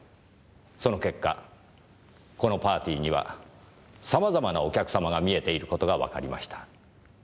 その結果このパーティーには様々なお客様が見えている事がわかりました。